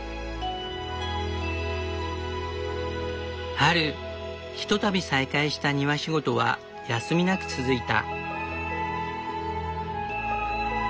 春ひとたび再開した庭仕事は休みなく続いた。